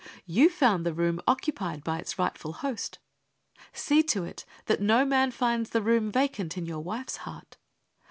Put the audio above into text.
You found the room occupied by its rightful host. See it that no man finds the room vacant in your wife's heart.